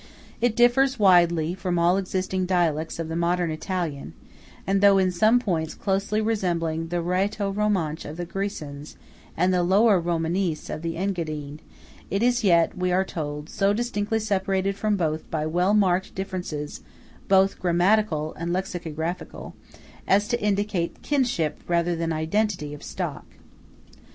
It differs widely from all existing dialects of the modern Italian, and though in some points closely resembling the Rhæto Romansch of the Grisons, and the Lower Romanese of the Engadine, it is yet, we are told, so distinctly separated from both by "well marked differences both grammatical and lexicographical," as to indicate "kinship rather than identity of stock."